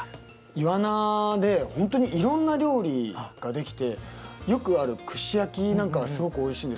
イワナで本当にいろんな料理ができてよくある串焼きなんかがすごくおいしいんです。